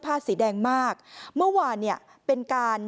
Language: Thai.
แม่ของแม่แม่ของแม่